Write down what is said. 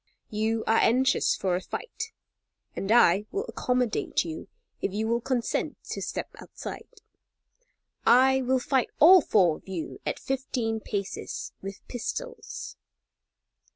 You are anxious for a fight, and I will accommodate you if you will consent to step outside. I will fight all four of you at fifteen paces with pistols."